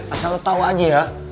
asal lo tau aja ya